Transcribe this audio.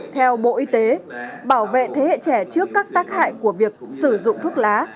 theo bộ y tế bảo vệ thế hệ trẻ trước các tác hại của việc sử dụng thuốc lá